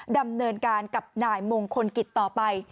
ดำเนินการกับนายมงคลกิจต่อไป